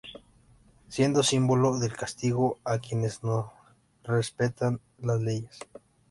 Siendo símbolo del castigo a quienes no respetan las leyes.